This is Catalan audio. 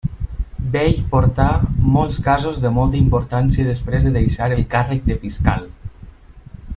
Bell portà molts casos de molta importància després de deixar el càrrec de Fiscal.